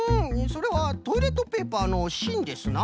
それはトイレットペーパーのしんですな。